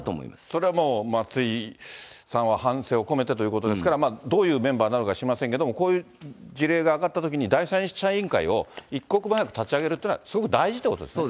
それはもう、松井さんは反省を込めてということですから、どういうメンバーなのか知りませんけども、こういう事例が挙がったときに第三者委員会を一刻も早く立ち上げるっていうのはすごく大事ってことですね。